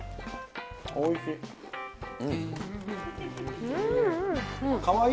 おいしい。